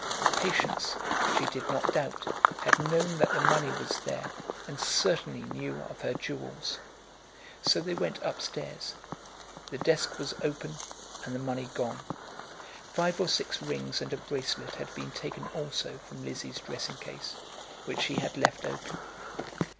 Patience, she did not doubt, had known that the money was there, and certainly knew of her jewels. So they went up stairs. The desk was open and the money gone. Five or six rings and a bracelet had been taken also from Lizzie's dressing case, which she had left open.